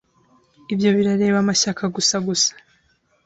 Ibyo birareba amashyaka gusa gusa